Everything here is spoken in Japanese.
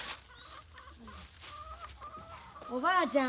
おばあちゃん。